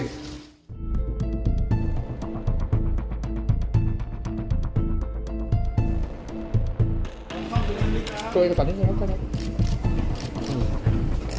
จุดที่ลาก่อนคุณหายราชาวคุณธุรกิจ